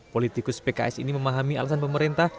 politikus pks ini memahami alasan pemerintah